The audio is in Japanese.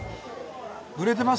売れてます？